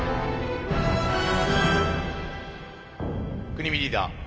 國見リーダー